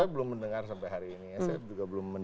saya belum mendengar sampai hari ini ya